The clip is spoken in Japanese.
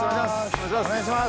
お願いします！